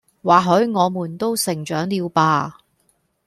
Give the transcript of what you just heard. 或許我們都成長了吧